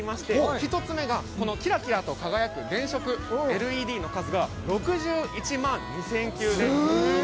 １つ目が、きらきらと輝く電飾、ＬＥＤの数が６１万２０００球です。